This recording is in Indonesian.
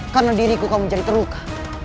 karena diriku kamu jadi terluka